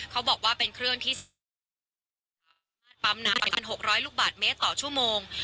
เขาบอกว่าเป็นเครื่องที่ปั๊มน้ำ๑๖๐๐ลูกบาทเมตรต่อชั่วโมง